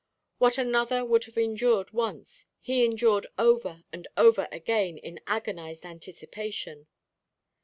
What another would have endured once, he endured over and over again in agonized anticipation.